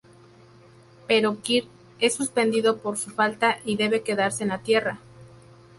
Pero Kirk es suspendido por su falta y debe quedarse en la Tierra.